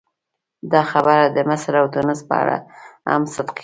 دا خبره د مصر او ټونس په اړه هم صدق کوي.